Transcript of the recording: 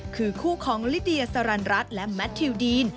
คือคู่ของลิเดียสารันรัฐและแมททิวดีน